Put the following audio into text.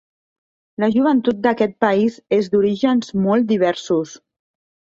La joventut d'aquest país és d'orígens molt diversos.